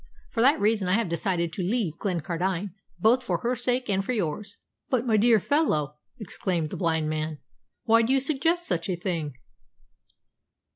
For that reason I have decided to leave Glencardine, both for her sake and for yours." "But, my dear fellow," exclaimed the blind man, "why do you suggest such a thing?"